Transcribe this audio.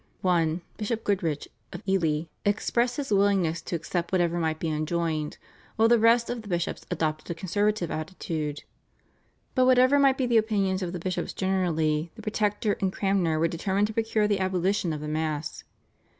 One, Bishop Goodrich of Ely, expressed his willingness to accept whatever might be enjoined, while the rest of the bishops adopted a conservative attitude. But whatever might be the opinions of the bishops generally the Protector and Cranmer were determined to procure the abolition of the Mass.